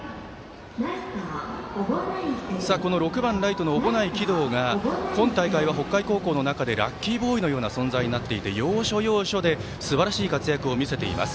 この６番ライトの小保内貴堂が今大会は北海高校の中でラッキーボーイのような存在になっていて、要所要所ですばらしい活躍を見せています。